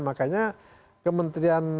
makanya kementerian tenaga kerja